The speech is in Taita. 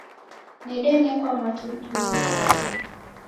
Nedenekwa mwatulituli upoie.